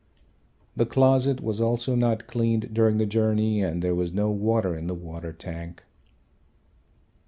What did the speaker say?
The closet was also not cleaned during the journey and there was no water in the water tank.